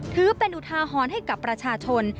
ถือเป็นอุทาหรณ์ให้กับประชาชน